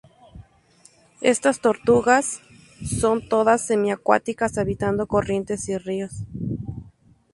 Estas tortugas son todas semi-acuáticas, habitando corrientes y ríos.